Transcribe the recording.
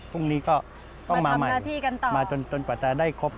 พรุ่งนี้ก็ต้องมาใหม่มาจนกว่าจะได้ครบ